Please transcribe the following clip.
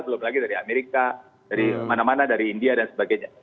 belum lagi dari amerika dari mana mana dari india dan sebagainya